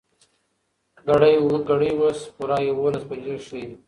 ګړۍ اوس پوره يولس بجې ښيي.